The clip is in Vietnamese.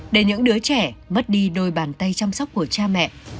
để những đứa trẻ mất đi đôi bàn tay chăm sóc của cha mẹ